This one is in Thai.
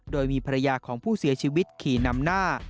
โดยมีภรรยาของผู้เสียชีวิตขี่นำหน้า